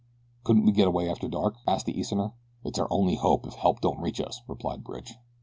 "Couldn't we get away after dark?" asked the Easterner. "It's our only hope if help don't reach us," replied Bridge.